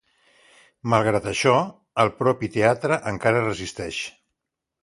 Malgrat això, el propi teatre encara resisteix.